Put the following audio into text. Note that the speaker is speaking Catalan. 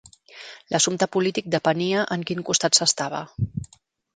L'assumpte polític depenia en quin costat s'estava.